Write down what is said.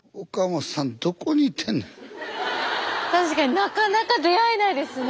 確かになかなか出会えないですね。